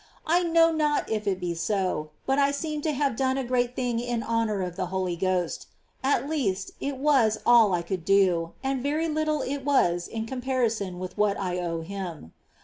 I know not if it be so, but I seemed to have done a great thing in honour of the Holy Ghost — at least, it was all I could do, and very little it was in comparison with what I owe Him.